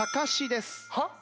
はっ？